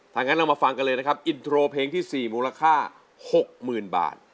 ถ้างั้นเรามาฟังกันเลยนะครับอินโทรเพลงที่๔มูลค่า๖๐๐๐บาท